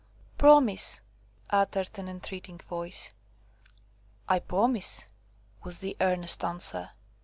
"Promise," uttered an entreating voice. "I promise," was the earnest answer.